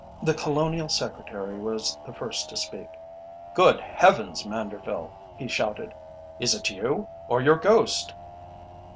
The Colonial Secretary was the first to speak. "Good Heavens, Manderville," he shouted, "is it you, or your ghost?"